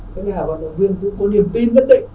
cái này là vận động viên cũng có niềm tin rất định